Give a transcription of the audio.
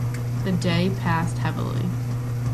The day passed heavily.